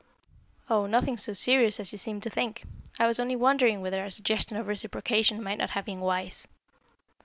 "Oh, nothing so serious as you seem to think. I was only wondering whether a suggestion of reciprocation might not have been wise."